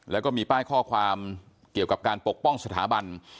แล้วก็มีป้ายข้อความเกี่ยวกับการปกป้องสถาบัน